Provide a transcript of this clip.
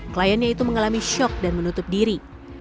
kliennya itu mengalami syok dan menutup diri